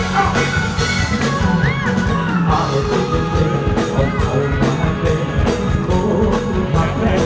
ใช่อยากมองไปก่อนตอบแทนครับคุณการตอบแทน